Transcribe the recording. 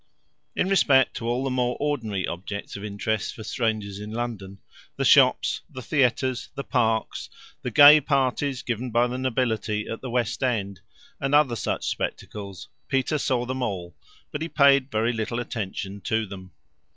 In respect to all the more ordinary objects of interest for strangers in London, the shops, the theatres, the parks, the gay parties given by the nobility at the West End, and other such spectacles, Peter saw them all, but he paid very little attention to them.